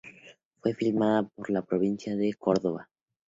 Fue filmada en la provincia de Córdoba.